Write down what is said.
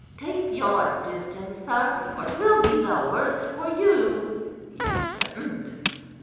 "Keep your distance, sir, or 'twill be the worse for you," he threatened.